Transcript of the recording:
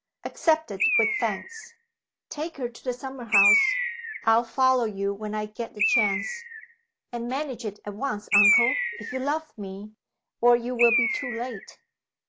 Accepted with thanks.) "Take her to the summer house: I'll follow you when I get the chance. And manage it at once, uncle, if you love me, or you will be too late."